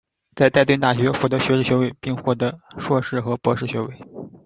在戴顿大学获得学士学位，并获得硕士和博士学位。